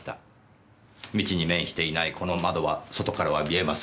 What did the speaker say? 道に面していないこの窓は外からは見えません。